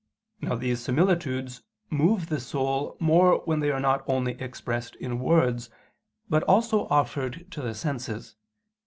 Now these similitudes move the soul more when they are not only expressed in words, but also offered to the senses.